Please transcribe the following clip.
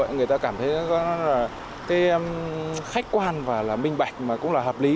người ta cảm thấy nó là khách quan và là minh bạch mà cũng là hợp lý